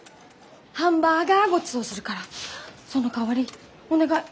ハンバーガーごちそうするからそのかわりお願い！